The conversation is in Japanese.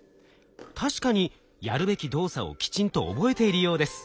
確かにやるべき動作をきちんと覚えているようです。